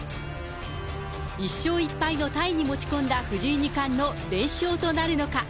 １勝１敗のタイに持ち込んだ藤井二冠の連勝となるのか。